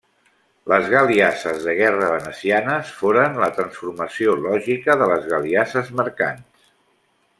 Les galiasses de guerra venecianes foren la transformació lògica de les galiasses mercants.